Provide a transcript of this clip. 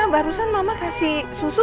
barusan mama kasih susu